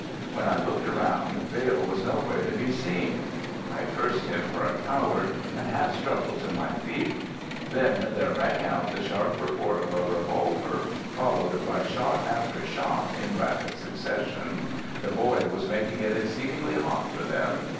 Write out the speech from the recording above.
When I looked around Vail was no where to be seen. I cursed him for a coward and half struggled to my feet. Then there rang out the sharp report of a revolver followed by shot after shot in rapid succession. The boy was making it exceedingly hot for them.